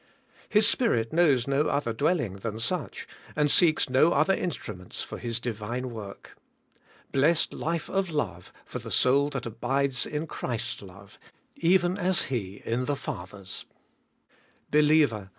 His Spirit knows no other dwelling than such, and seeks no other instru ments for His Divine work. Blessed life of love for the soul that abides in Christ's love, even as He in the Father's! Believer!